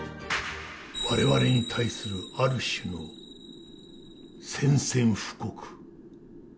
我々に対するある種の宣戦布告。